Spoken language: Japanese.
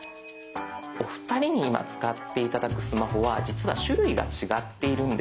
お二人に今使って頂くスマホは実は種類が違っているんです。